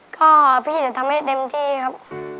ก็พี่จะทำให้เต็มที่ครับ